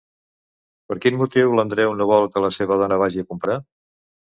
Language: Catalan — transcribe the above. Per quin motiu l'Andreu no vol que la seva dona vagi a comprar?